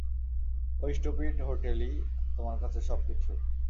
ঐ স্টুপিড হোটেলই তোমার কাছে সবকিছু!